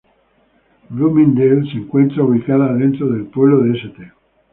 Bloomingdale se encuentra ubicada dentro del pueblo de St.